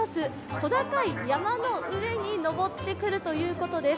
小高い山の上に昇ってくるということです。